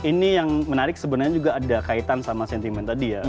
ini yang menarik sebenarnya juga ada kaitan sama sentimen tadi ya